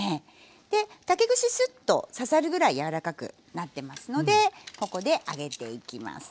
で竹串スッと刺さるぐらい柔らかくなってますのでここで上げていきますね。